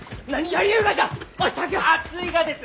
暑いがです！